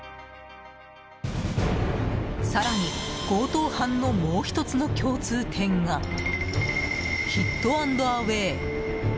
更に、強盗犯のもう１つの共通点がヒット＆アウェー。